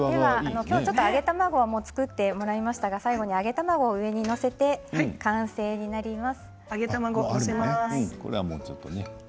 今日は揚げ卵も作ってもらいましたが最後、揚げ卵を上に載せて完成になります。